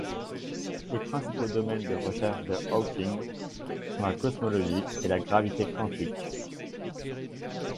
Les principaux domaines de recherches de Hawking sont la cosmologie et la gravité quantique.